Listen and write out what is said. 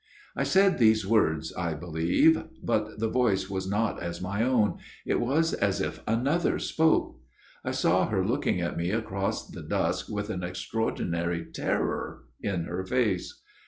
" I said these words, I believe ; but the voice was not as my own, it was as if another spoke. I saw her looking at me across the dusk with an extraordinary terror in her face.